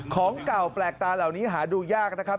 ของเก่าแปลกตาเหล่านี้หาดูยากนะครับ